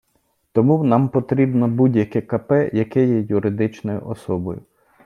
Тому нам потрібно будь-яке КП, яке є юридичною особою.